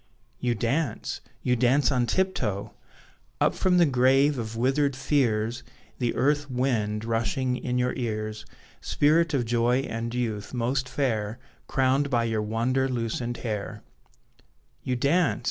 You dance! You dance on tiptoe! Up from the grave of withered fears, The earth wind, rushing in your ears, Spirit of joy and youth, most fair, Crowned by your wonder loosened hair; You dance!